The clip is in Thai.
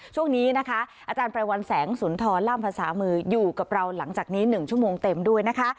ช่วงนี้นะคะอาจารย์ไพรวัลแสงสุนทรล่ามภาษามืออยู่กับเราหลังจากนี้๑ชั่วโมงเต็มด้วยนะคะ